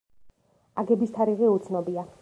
აგების თარიღი უცნობია.